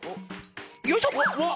よいしょ！